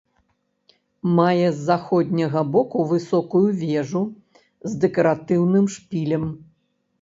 Мае з заходняга боку высокую вежу з дэкаратыўным шпілем.